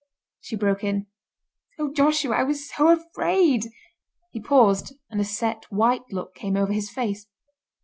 She broke in, "Oh, Joshua, I was so afraid." He paused, and a set, white look came over his face.